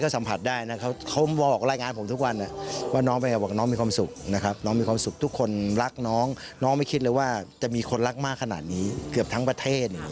สักอย่างจะมีคนรักมากขนาดนี้เกือบทั้งประเทศ